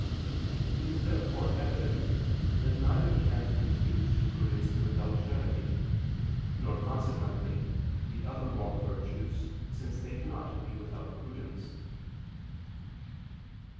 It is therefore evident that neither can infused prudence be without charity; nor, consequently, the other moral virtues, since they cannot be without prudence.